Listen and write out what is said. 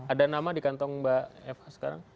ada nama di kantong mbak fa sekarang